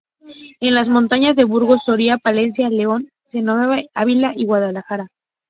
En las montañas de Burgos, Soria, Palencia, León, Segovia, Ávila y Guadalajara.